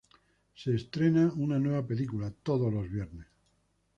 Se estrena una nueva película todos los viernes.